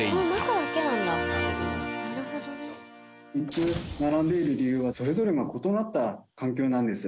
３つ並んでいる理由はそれぞれが異なった環境なんです。